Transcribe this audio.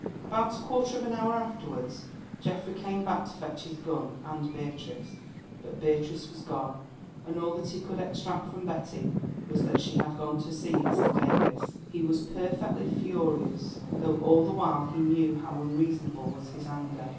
About a quarter of an hour afterwards, Geoffrey came back to fetch his gun and Beatrice, but Beatrice was gone, and all that he could extract from Betty was that she had gone to see Mr. Davies. He was perfectly furious, though all the while he knew how unreasonable was his anger.